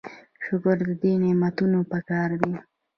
شکر د دې نعمتونو پکار دی.